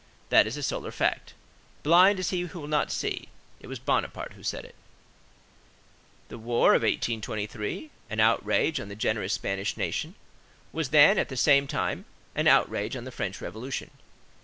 That is a solar fact. Blind is he who will not see! It was Bonaparte who said it. The war of 1823, an outrage on the generous Spanish nation, was then, at the same time, an outrage on the French Revolution.